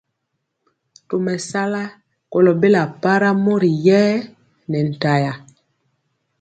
Tomesala kolo bela para mori yɛɛ nɛ ntaya.